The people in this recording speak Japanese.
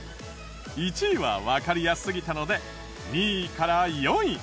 １位はわかりやすすぎたので２位から４位。